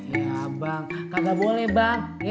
ya bang kagak boleh bang